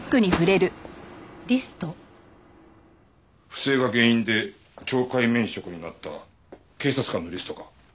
不正が原因で懲戒免職になった警察官のリストか？